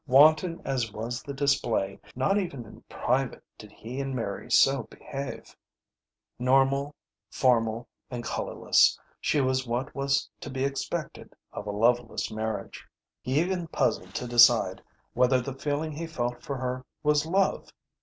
Wanton as was the display, not even in private did he and Mary so behave. Normal, formal, and colourless, she was what was to be expected of a loveless marriage. He even puzzled to decide whether the feeling he felt for her was love.